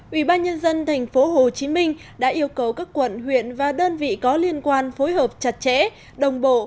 ủy ban nhân dân tp hcm đã yêu cầu các quận huyện và đơn vị có liên quan phối hợp chặt chẽ đồng bộ